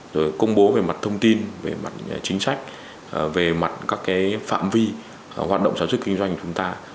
rồi công bố về mặt thông tin về mặt chính sách về mặt các phạm vi hoạt động sản xuất kinh doanh của chúng ta